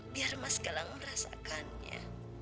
biar mas galang merasakannya